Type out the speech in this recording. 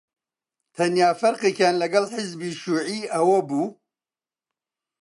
تەنیا فەرقێکیان لەگەڵ حیزبی شیووعی ئەوە بوو: